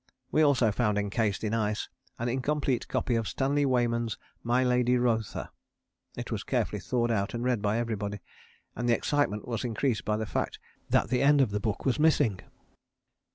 We also found encased in ice an incomplete copy of Stanley Weyman's My Lady Rotha; it was carefully thawed out and read by everybody, and the excitement was increased by the fact that the end of the book was missing.